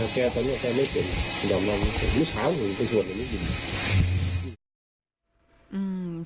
แกต้องอยู่แกไม่เป็นดังนั้นวิชาหนูเป็นส่วนหนึ่ง